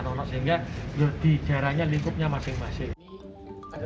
anak anak sehingga lebih jaraknya lingkupnya masing masing